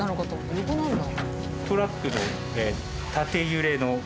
横なんだ。